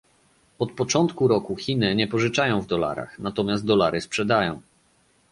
Od początku roku Chiny nie pożyczają w dolarach, natomiast dolary sprzedają